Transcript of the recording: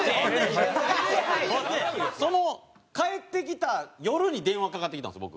ほんでその帰ってきた夜に電話かかってきたんです僕。